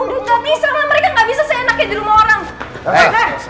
udah nggak bisa mereka nggak bisa seenaknya di rumah orang